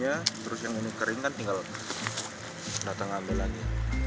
ya terus yang ini keringkan tinggal datang ambil lagi